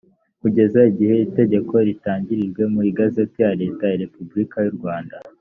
kugeza igihe itegeko ritangarijwe mu igazeti ya leta ya repubulika y’u rwanda